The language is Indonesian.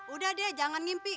udah deh jangan ngimpi